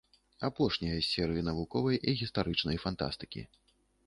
Апошнія з серыі навуковай і гістарычнай фантастыкі.